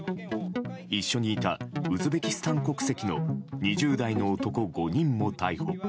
一緒にいたウズベキスタン国籍の２０代の男５人も逮捕。